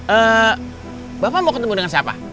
eh bapak mau ketemu dengan siapa